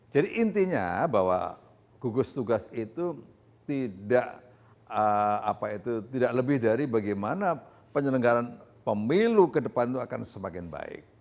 jadi intinya bahwa gugus tugas itu tidak lebih dari bagaimana penyelenggaran pemilu ke depan itu akan semakin baik